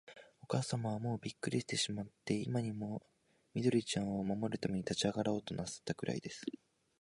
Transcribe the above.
おかあさまは、もうびっくりしてしまって、今にも、緑ちゃんを守るために立ちあがろうとなすったくらいです。